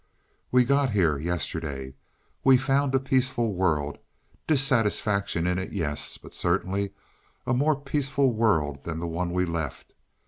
"We got here yesterday. We found a peaceful world. Dissatisfaction in it yes. But certainly a more peaceful world than the one we left.